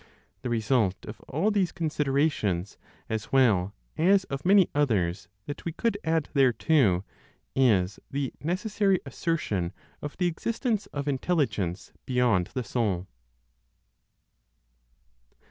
The result of all these considerations, as well as of many others that we could add thereto, is the necessary assertion of the existence of Intelligence beyond the Soul.